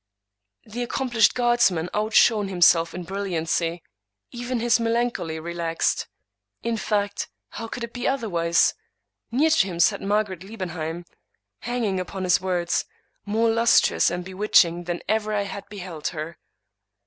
The accomplished guardsman outshone himself in brilliancy; even his melan choly relaxed. In fact, how could it be otherwise? near to him sat Margaret Liebenheim — hanging upon his words — ^more lustrous and bewitching than ever I had beheld her.